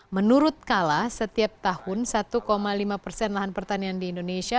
menurut kala setiap tahun satu lima persen lahan pertanian di indonesia